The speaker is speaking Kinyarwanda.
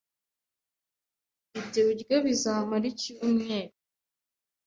Ibyo biryo bizamara icyumweru.